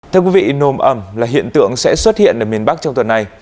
thưa quý vị nồm ẩm là hiện tượng sẽ xuất hiện ở miền bắc trong tuần này